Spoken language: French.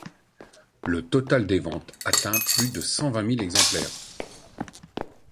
Le total des ventes atteint plus de cent vingt mille exemplaires.